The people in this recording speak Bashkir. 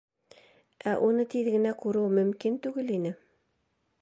Ә уны тиҙ генә күреү мөмкин түгел ине.